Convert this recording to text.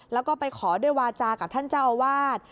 แล้วก็ไปขอด้วยวาจากับท่านเจ้าอาวาส